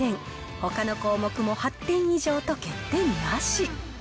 ほかの項目も８点以上と欠点なし。